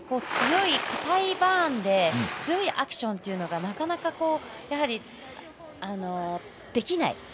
かたいバーンで強いアクションというのはなかなか、やはりできない。